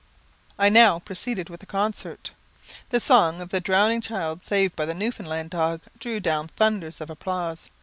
I now proceeded with the concert. The song of the drowning child saved by the Newfoundland dog drew down thunders of applause.